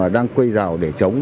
đang quây rào để chống